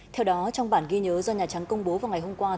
theo đó trong bản ghi nhớ do nhà trắng công bố vào ngày hôm qua